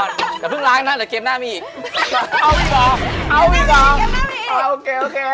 เดวองลาก่อนเดอะน้าเกมหน้ามีอีก